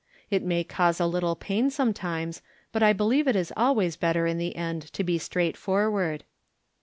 It may cause a little pain, sometimes, but I believe it is always better in the end to be straightforward."